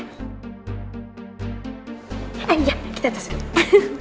kita atas dulu